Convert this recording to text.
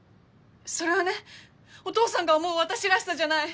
それはねお父さんが思う私らしさじゃない。